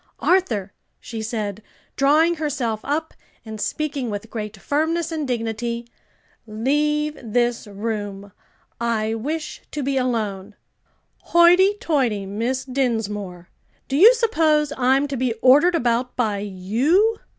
"Arthur," she said, drawing herself up, and speaking with great firmness and dignity, "leave this room; I wish to be alone." "Hoity toity, Miss Dinsmore! do you suppose I'm to be ordered about by you?